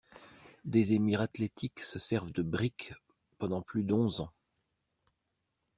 Des émirs athlétiques se servent de briques pendant plus d'onze ans.